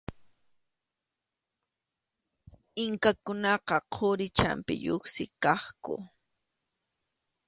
Inkakunaqa quri champiyuqsi kaqku.